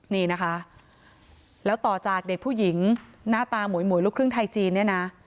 นี่นะคะแล้วต่อจากเด็กผู้หญิงหน้าตาหมวยลูกครึ่งไทยจีนเนี่ยนะ